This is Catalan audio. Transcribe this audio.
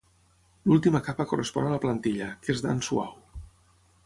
L'última capa correspon a la plantilla, que és d'ant suau.